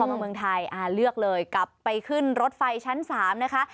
มาเมืองไทยเลือกเลยกลับไปขึ้นรถไฟชั้น๓นะคะ